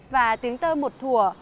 và tiếng tơ một thủa